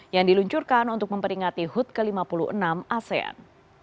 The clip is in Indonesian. yang diluncurkan untuk memperingati hut ke lima puluh enam asean